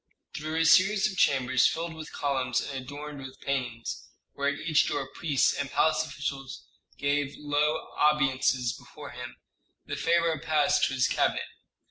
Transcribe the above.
Through a series of chambers filled with columns and adorned with paintings, where at each door priests and palace officials gave low obeisances before him, the pharaoh passed to his cabinet.